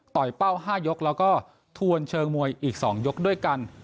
เป้า๕ยกแล้วก็ทวนเชิงมวยอีก๒ยกด้วยกัน